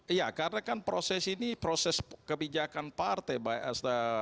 iya karena kan proses ini proses kebijakan partai baik di pd perjuangan maupun kpu